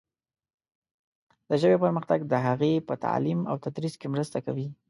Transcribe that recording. د ژبې پرمختګ د هغې په تعلیم او تدریس کې مرسته کوي.